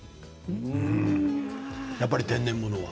やっぱり天然物は。